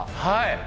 はい！